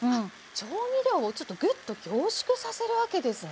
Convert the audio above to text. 調味料をちょっとぐっと凝縮させるわけですね。